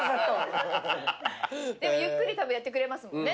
でもゆっくりたぶんやってくれますもんね。